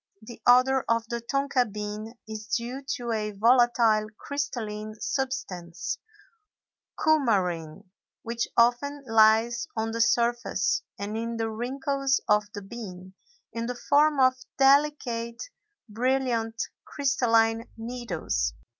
The odor of the tonka bean is due to a volatile crystalline substance, coumarin, which often lies on the surface and in the wrinkles of the bean in the form of delicate, brilliant crystalline needles.